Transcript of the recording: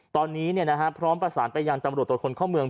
ตอนนี้พร้อมประสานไปยังตำรวจตรวจคนเข้าเมือง